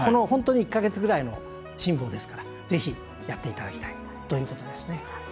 本当に、この１か月ぐらいの辛抱ですからぜひ、やっていただきたいということですね。